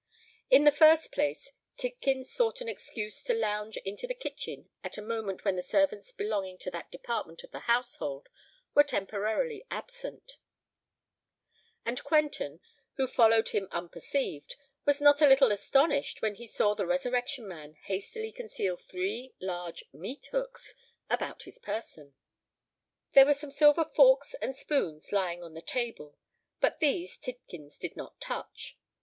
In the first place, Tidkins sought an excuse to lounge into the kitchen at a moment when the servants belonging to that department of the household were temporarily absent; and Quentin, who followed him unperceived, was not a little astonished when he saw the Resurrection Man hastily conceal three large meat hooks about his person. There were some silver forks and spoons lying on the table; but these Tidkins did not touch.